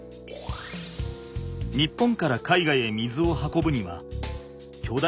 日本から海外へ水を運ぶにはきょだ